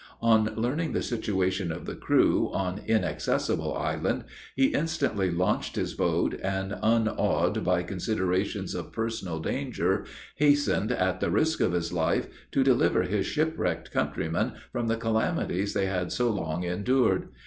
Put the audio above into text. On learning the situation of the crew, on Inaccessible Island, he instantly launched his boat, and, unawed by considerations of personal danger, hastened, at the risk of his life, to deliver his shipwrecked countrymen from the calamities they had so long endured.